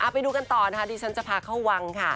ไปดูกันต่อนะคะดิฉันจะพาเข้าวังค่ะ